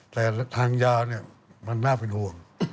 แต่ทางยามันน่าเป็นห่วง